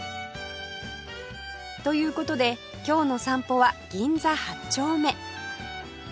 という事で今日の散歩は銀座８丁目